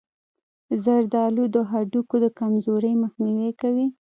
زردآلو د هډوکو د کمزورۍ مخنیوی کوي.